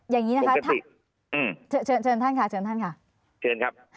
อย่างนี้นะครับเชิญข้างกัน